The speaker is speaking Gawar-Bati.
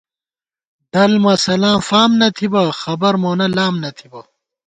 ڈل مسَلاں فام نہ تھِبہ ، خبر مونہ لام نہ تھِبہ